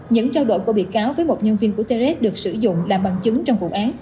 những trao đổi của biệt cáo với một nhân viên của trs được sử dụng làm bằng chứng trong vụ án